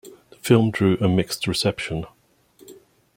The film drew a mixed reception.